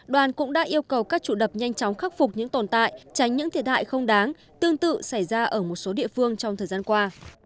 đoàn cũng đã yêu cầu các chủ đập nhanh chóng khắc phục những tồn tại tránh những thiệt hại không đáng tương tự xảy ra ở một số địa phương trong thời gian qua